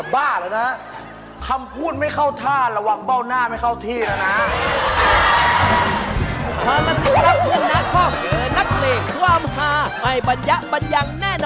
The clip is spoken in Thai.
บ้าแล้วนะคำพูดไม่เข้าท่าระวังเบ้าหน้าไม่เข้าที่แล้วนะ